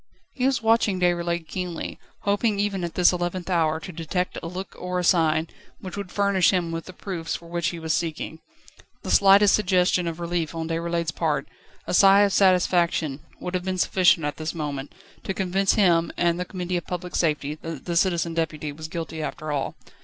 He was watching Déroulède keenly, hoping even at this eleventh hour to detect a look or a sign, which would furnish him with the proofs for which he was seeking. The slightest suggestion of relief on Déroulède's part, a sigh of satisfaction, would have been sufficient at this moment, to convince him and the Committee of Public Safety that the Citizen Deputy was guilty after all.